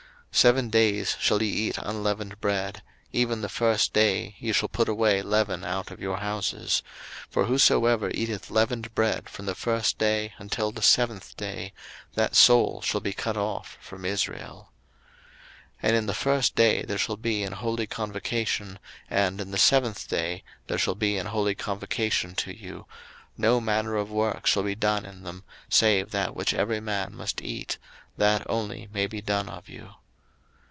02:012:015 Seven days shall ye eat unleavened bread; even the first day ye shall put away leaven out of your houses: for whosoever eateth leavened bread from the first day until the seventh day, that soul shall be cut off from Israel. 02:012:016 And in the first day there shall be an holy convocation, and in the seventh day there shall be an holy convocation to you; no manner of work shall be done in them, save that which every man must eat, that only may be done of you.